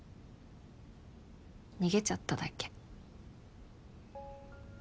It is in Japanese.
逃げちゃっただけ。